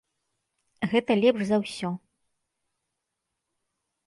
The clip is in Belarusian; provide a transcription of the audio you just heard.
Гэта лепш за ўсё.